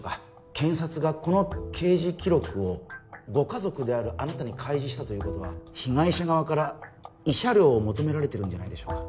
検察がこの刑事記録をご家族であるあなたに開示したということは被害者側から慰謝料を求められてるんじゃないでしょうか？